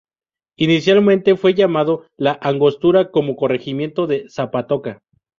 Inicialmente fue llamado La Angostura como corregimiento de Zapatoca.